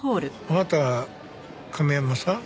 あなたが亀山さん？